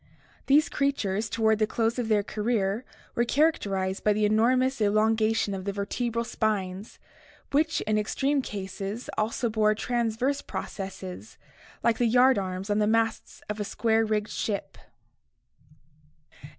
These creatures toward the close of their career were characterized by the enormous elongation of the vertebral spines, which in extreme cases also bore transverse processes like the yard arms on the masts of a square rigged ship (see Fig.